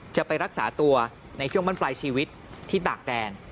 จะไปรักษาตัวในช่วงมั่นปลายชีวิตที่ตากแดน